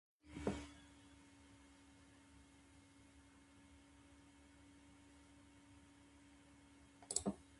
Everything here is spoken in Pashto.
متل دی: خبره سپینه ښه ده، غوښه پسینه ښه ده.